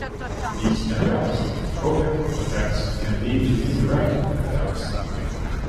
These direct, trophic, effects can lead to indirect effects.